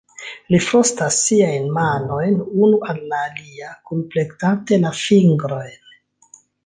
Li frotas siajn manojn unu al la alia kunplektante la fingrojn.